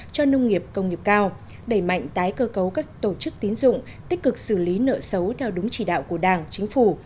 thống nhất tổ chức tiến dụng tích cực xử lý nợ xấu theo đúng chỉ đạo của đảng chính phủ